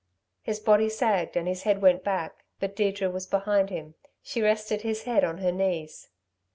His body sagged and his head went back; but Deirdre was behind him; she rested his head on her knees.